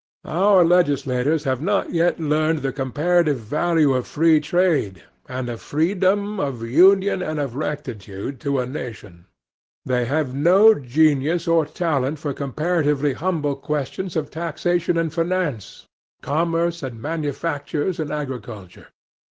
Our legislators have not yet learned the comparative value of free trade and of freedom, of union, and of rectitude, to a nation. They have no genius or talent for comparatively humble questions of taxation and finance, commerce and manufactures and agriculture.